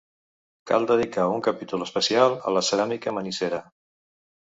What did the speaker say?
Cal dedicar un capítol especial a la ceràmica manisera.